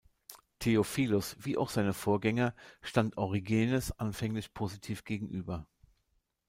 Theophilos, wie auch seine Vorgänger, stand Origenes anfänglich positiv gegenüber.